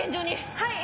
はい！